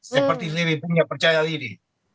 seperti lebih punya percaya diri